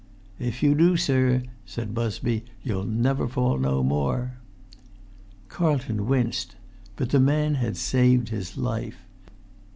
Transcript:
"If you do, sir," said Busby, "you'll never fall no more." Carlton winced. But the man had saved his life.